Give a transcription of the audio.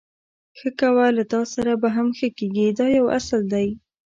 ښه کوه له تاسره به هم ښه کېږي دا یو اصل دی.